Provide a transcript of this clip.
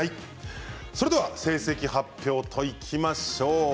それでは成績発表といきましょう。